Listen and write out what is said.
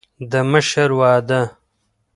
د مشر وعده